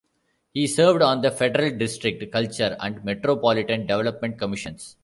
He served on the Federal District, Culture, and Metropolitan Development Commissions.